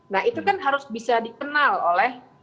nah itu kan harus bisa dikenal oleh